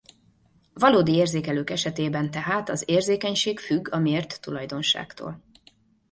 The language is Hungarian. Valódi érzékelők esetében tehát az érzékenység függ a mért tulajdonságtól.